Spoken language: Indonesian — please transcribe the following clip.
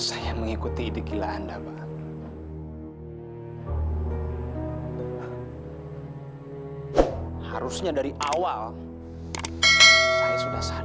sampai jumpa di video selanjutnya